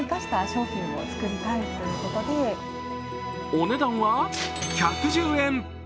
お値段は１１０円。